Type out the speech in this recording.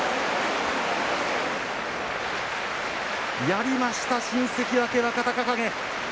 やりました、新関脇若隆景。